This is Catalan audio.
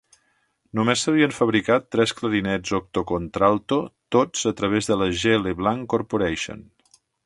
Només s'havien fabricat tres clarinets octocontralto, tots a través de la G. Leblanc Corporation.